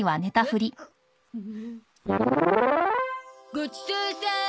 ごちそうさーん！